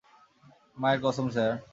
মায়ের কসম স্যার।